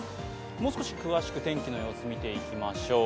もう少し詳しく天気の様子見ていきましょう。